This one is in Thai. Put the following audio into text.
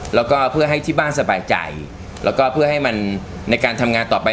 แล้วก็เพื่อให้ที่บ้านสบายใจแล้วก็เพื่อให้มันในการทำงานต่อไป